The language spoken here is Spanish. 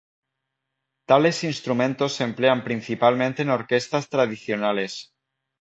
Tales instrumentos se emplean principalmente en orquestas tradicionales.